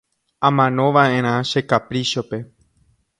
Amanova'erã che kapríchope